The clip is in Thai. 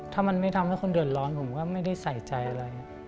ถ้ามันไม่ทำให้คนเดือดร้อนผมก็ไม่ได้ใส่ใจอะไร